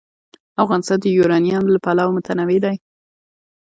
افغانستان د یورانیم له پلوه متنوع دی.